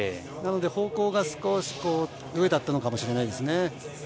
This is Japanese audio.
なので方向が、少し上だったのかもしれないですね。